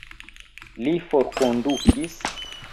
Li forkondukis?